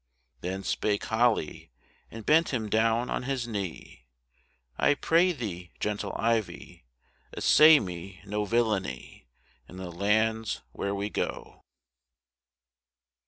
Then spake Holly, and bent him down on his knee, "I pray thee, gentle Ivy, Essay me no villany In the lands where we go."